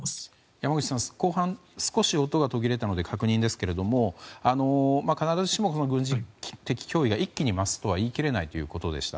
山口さん、後半少し音が途切れたので確認ですが必ずしも軍事的脅威が一気に増すとは言い切れないということでした。